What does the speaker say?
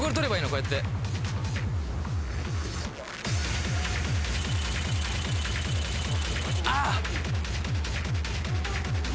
こうやってあっ！